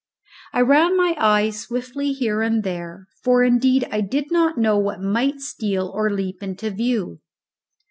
I ran my eyes swiftly here and there, for indeed I did not know what might steal or leap into view.